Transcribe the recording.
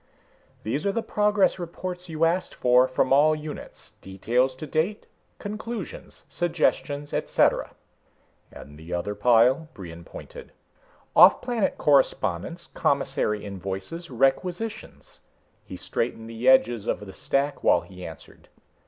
"These are the progress reports you asked for, from all units. Details to date, conclusions, suggestions, et cetera." "And the other pile?" Brion pointed. "Offplanet correspondence, commissary invoices, requisitions." He straightened the edges of the stack while he answered.